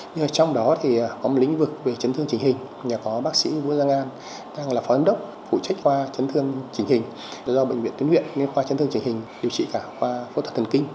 nhưng trong đó thì có một lĩnh vực về chấn thương chỉnh hình nhà có bác sĩ vũ giang an đang là phó giám đốc phụ trách khoa chấn thương chỉnh hình do bệnh viện tuyên nguyện nên khoa chấn thương chỉnh hình điều trị cả khoa phẫu thuật thần kinh